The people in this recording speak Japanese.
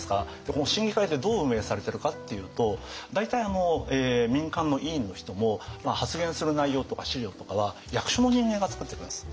この審議会ってどう運営されてるかっていうと大体民間の委員の人も発言する内容とか資料とかは役所の人間が作ってくれるんです。